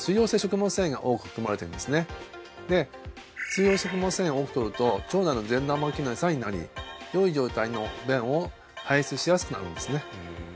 それらには水溶性食物繊維を多くとると腸内の善玉菌の餌になりよい状態の便を排出しやすくなるんですね